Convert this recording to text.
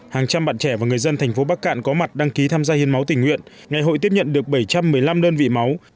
hàng trăm bạn trẻ và người dân thành phố bắc cạn có mặt đăng ký tham gia hiến máu tình nguyện ngày hội tiếp nhận được bảy trăm một mươi năm đơn vị máu